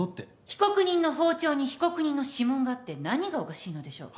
被告人の包丁に被告人の指紋があって何がおかしいのでしょう？